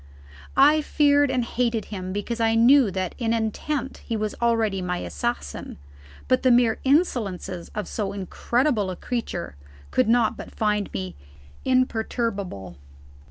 I feared and hated him because I knew that in intent he was already my assassin; but the mere insolences of so incredible a creature could not but find me imperturbable.